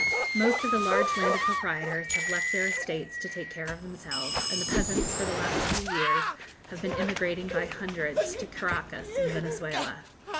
Most of the large landed proprietors have left their estates to take care of themselves; and the peasants, for the last few years, have been emigrating by hundreds to Caraccas, in Venezuela.